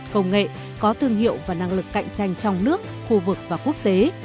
công nghệ có thương hiệu và năng lực cạnh tranh trong nước khu vực và quốc tế